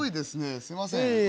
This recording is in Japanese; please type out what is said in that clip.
すいません。